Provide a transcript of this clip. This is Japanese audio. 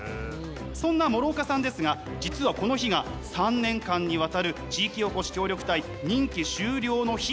そんな諸岡さんですが実はこの日が３年間にわたる地域おこし協力隊任期終了の日。